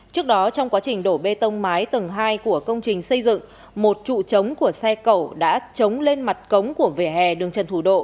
trước đó trong quá trình đổ bê tông mái tầng hai của công trình xây dựng một trụ trống của xe cầu đã trống lên mặt cống của vỉa hè đường trần thủ độ